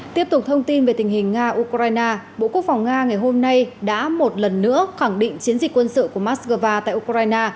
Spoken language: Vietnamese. tiếp tục thông tin về tình hình nga ukraine bộ quốc phòng nga ngày hôm nay đã một lần nữa khẳng định chiến dịch quân sự của moscow tại ukraine